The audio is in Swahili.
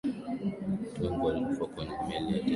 watu wengi walikufa kwenye meli ya titanic